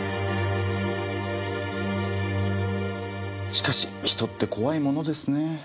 しかし人って怖いものですねぇ。